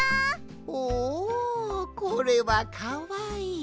ほうこれはかわいい！